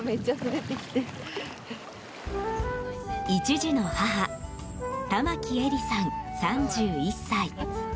１児の母玉城栄里さん、３１歳。